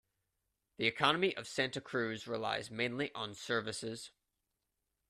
The economy of Santa Cruz relies mainly on services.